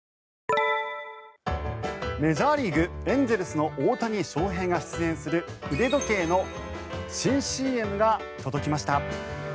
メジャーリーグエンゼルスの大谷翔平が出演する腕時計の新ＣＭが届きました。